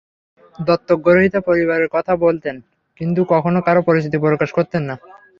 দত্তকগ্রহীতা পরিবারের কথা বলতেন, কিন্তু কখনো কারও পরিচিতি প্রকাশ করতেন না।